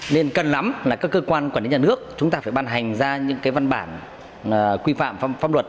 nên cân lắm là các cơ quan quản lý nhà nước chúng ta phải ban hành ra những cái văn bản quy phạm pháp luật